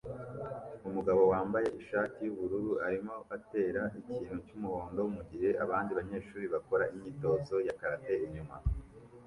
Umugabo wambaye ishati yubururu arimo atera ikintu cyumuhondo mugihe abandi banyeshuri bakora imyitozo ya karate inyuma